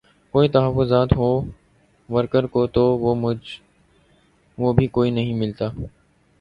کوئی تحفظات ہوں ورکر کو تو وہ بھی کوئی نہیں ملتا